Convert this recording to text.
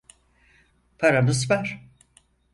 Paramız var.